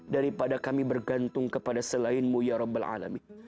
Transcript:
daripada kami bergantung kepada selainmu ya rabbil alami